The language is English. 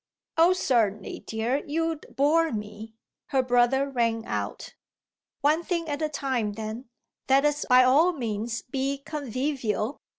"Oh certainly, dear, you'd bore me," her brother rang out. "One thing at a time then. Let us by all means be convivial.